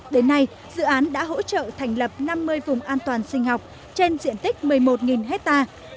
đến nay dự án đã hỗ trợ thành lập năm mươi vùng an toàn sinh học trên diện tích một mươi một hectare